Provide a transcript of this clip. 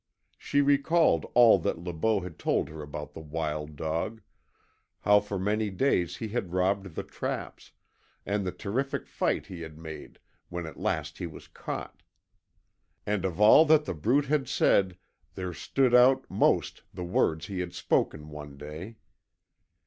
She recalled all that Le Beau had told her about the wild dog how for many days he had robbed the traps, and the terrific fight he had made when at last he was caught. And of all that The Brute had said there stood out most the words he had spoken one day.